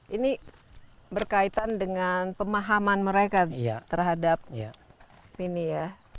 ini berkaitan dengan pemahaman mereka terhadap ini ya